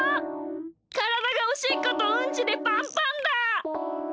からだがおしっことうんちでパンパンだ！